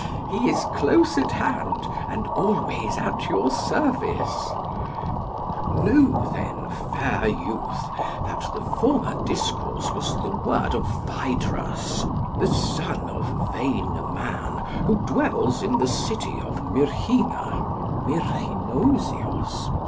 PHAEDRUS: He is close at hand, and always at your service. SOCRATES: Know then, fair youth, that the former discourse was the word of Phaedrus, the son of Vain Man, who dwells in the city of Myrrhina (Myrrhinusius).